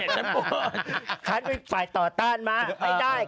ฉันเป็นฝ่ายต่อต้านม้าไม่ได้